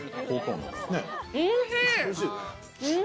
おいしい！